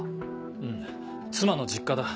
うん妻の実家だ。